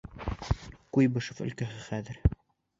Куйбышев өлкәһе хәҙер.